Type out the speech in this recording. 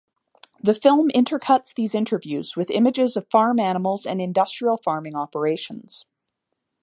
The film intercuts these interviews with images of farm animals and industrial farming operations.